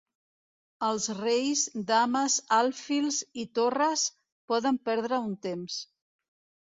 Els reis, dames, alfils, i torres, poden perdre un temps.